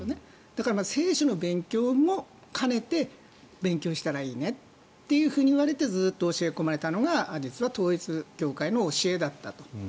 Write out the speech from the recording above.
だから聖書の勉強も兼ねて勉強したらいいねと言われてずっと教え込まれたのが実は統一教会の教えだったと。